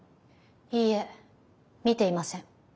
いいえ見ていません。